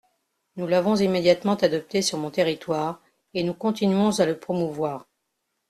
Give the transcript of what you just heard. Nous l’avons immédiatement adopté sur mon territoire, et nous continuons à le promouvoir.